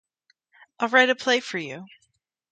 I'll write a play for you.